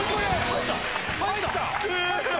入った？